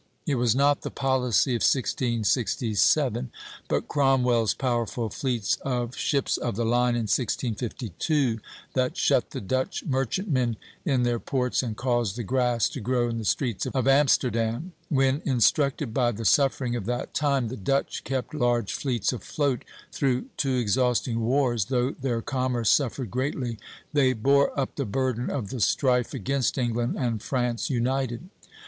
It was not the policy of 1667, but Cromwell's powerful fleets of ships of the line in 1652, that shut the Dutch merchantmen in their ports and caused the grass to grow in the streets of Amsterdam. When, instructed by the suffering of that time, the Dutch kept large fleets afloat through two exhausting wars, though their commerce suffered greatly, they bore up the burden of the strife against England and France united.